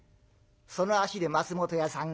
その足で松本屋さんへ。